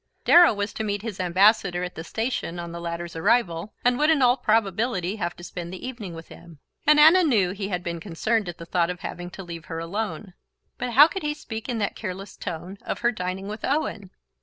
Darrow was to meet his Ambassador at the station on the latter's arrival, and would in all probability have to spend the evening with him, and Anna knew he had been concerned at the thought of having to leave her alone. But how could he speak in that careless tone of her dining with Owen?